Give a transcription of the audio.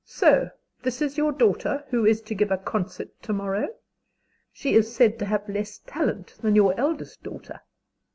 So this is your daughter who is to give a concert to morrow? She is said to have less talent than your eldest daughter.